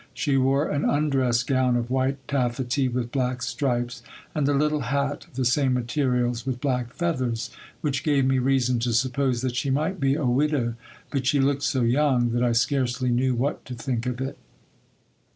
She wore an undress gown of white taffety with black stripes, and a little hat of the same materials with black feathers ; which gave me reason to suppose that she might be a widow. But she looked so young, that I scarcely knew what to think of it.